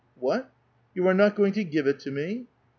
*' What ! You are not going to give it to me